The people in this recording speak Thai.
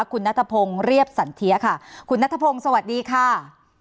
คุณนัทพงศ์เรียบสันเทียค่ะคุณนัทพงศ์สวัสดีค่ะ